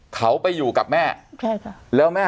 เขาไปอยู่กับแม่ใช่ค่ะแล้วแม่